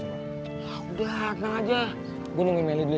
ya udah tenang aja gue nungguin meli dulu ya